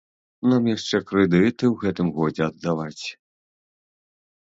Нам яшчэ крэдыты ў гэтым годзе аддаваць.